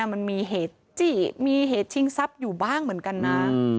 มันมีเหตุจี้มีเหตุชิงทรัพย์อยู่บ้างเหมือนกันนะ